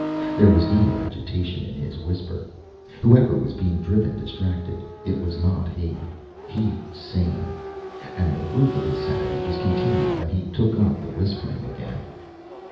There was no agitation in his whisper. Whoever was being driven distracted, it was not he. He was sane. And the proof of his sanity was continued when he took up the whispering again.